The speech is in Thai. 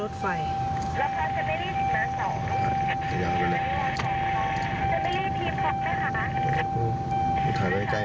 รถไฟจะไม่รีบถึงมากของจะไม่รีบรีบคล็อกได้ไหมคะ